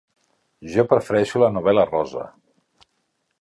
Jo prefereixo la novel·la rosa.